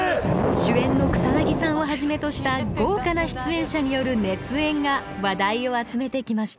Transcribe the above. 主演の草さんをはじめとした豪華な出演者による熱演が話題を集めてきました